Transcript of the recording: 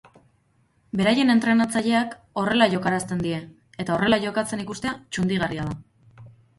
Beraien entrenatzaileak horrela joka arazten die eta horrela jokatzen ikustea txundigarria da.